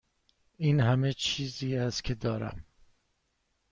این همه چیزی است که داریم.